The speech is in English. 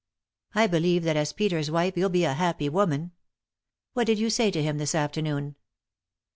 I believe that as Peter's wife you'll be a happy woman. What did you say to him this afternoon